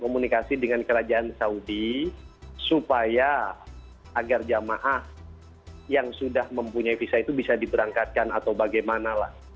komunikasi dengan kerajaan saudi supaya agar jamaah yang sudah mempunyai visa itu bisa diberangkatkan atau bagaimana lah